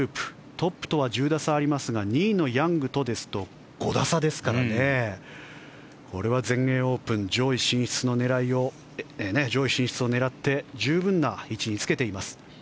トップとは１０打差ありますが２位のヤングとですと５打差ですからこれは全英オープン上位進出を狙って十分な位置につけています。